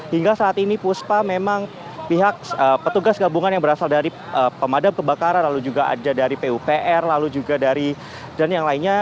hingga saat ini puspa memang pihak petugas gabungan yang berasal dari pemadam kebakaran lalu juga ada dari pupr lalu juga dari dan yang lainnya